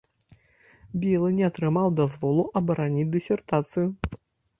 Белы не атрымаў дазволу абараніць дысертацыю.